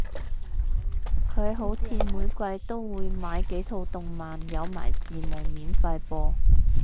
佢好似每季都會買幾套動漫有埋字幕免費播